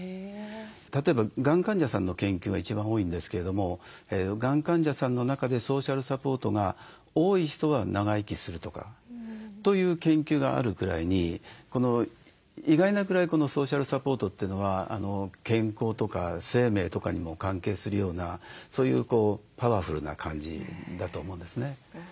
例えばがん患者さんの研究が一番多いんですけれどもがん患者さんの中でソーシャルサポートが多い人は長生きするとかという研究があるぐらいに意外なぐらいこのソーシャルサポートというのは健康とか生命とかにも関係するようなそういうパワフルな感じだと思うんですね。